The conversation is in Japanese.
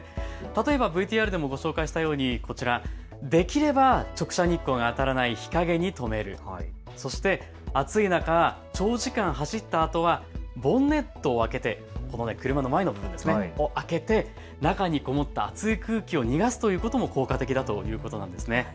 例えばＶＴＲでもご紹介したようにこちら、できれば直射日光が当たらない日陰に止める、そして暑い中、長時間走ったあとはボンネットを開けて中にこもった熱い空気を逃がすということも効果的だということなんですね。